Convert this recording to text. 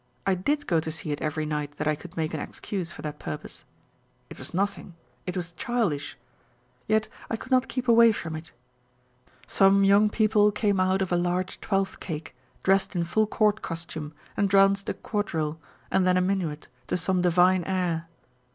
I did go to see it every night that I could make an excuse for that purpose. It was nothing ; it was childish. Yet I could not keep away from it. Some young people came out of a large twelfth cake, dressed in full court costume, and danced a quadrille, and then a minuet, to some divine air.